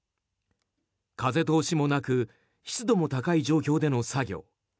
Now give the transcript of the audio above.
風通しもなく湿度も高い状況での作業。